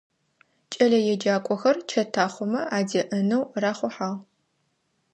Кӏэлэеджакӏохэр чэтахъомэ адеӏэнэу рахъухьагъ.